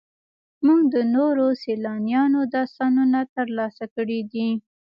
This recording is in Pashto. موږ د نورو سیلانیانو داستانونه ترلاسه کړي دي.